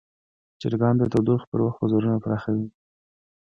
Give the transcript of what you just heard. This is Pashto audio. چرګان د تودوخې پر وخت وزرونه پراخوي.